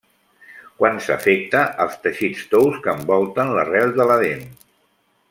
Quan s'afecta els teixits tous que envolten l'arrel de la dent.